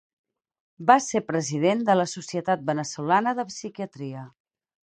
Va ser president de la Societat Veneçolana de Psiquiatria.